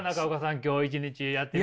今日一日やってみてね。